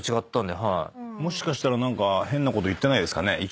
もしかしたら何か変なこと言ってないですかね。